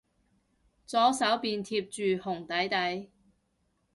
左手邊貼住紅底底